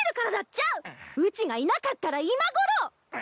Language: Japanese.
うちがいなかったら今ごろ。